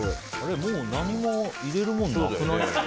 もう何も入れるものなくない？